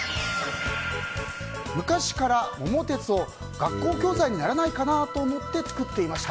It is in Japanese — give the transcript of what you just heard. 昔から「桃鉄」を学校教材にならないかなと思って作っていました。